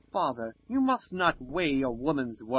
25 Father, you must not weigh a woman's words.